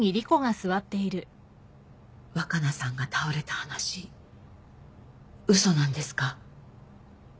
若菜さんが倒れた話嘘なんですか？